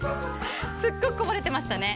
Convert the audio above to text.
すごくこぼれてましたね。